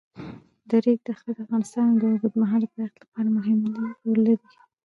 د ریګ دښتې د افغانستان د اوږدمهاله پایښت لپاره مهم رول لري.